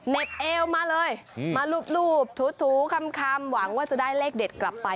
เอวมาเลยมารูปถูคำหวังว่าจะได้เลขเด็ดกลับไป